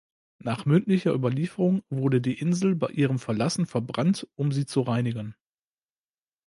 Nach mündlicher Überlieferung wurde die Insel bei ihrem Verlassen verbrannt, um sie zu reinigen.